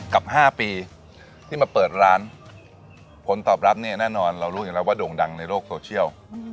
กับ๕ปีที่มาเปิดร้านผลตอบรับเนี่ยแน่นอนเรารู้อยู่แล้วว่าโด่งดังในโลกโซเชียล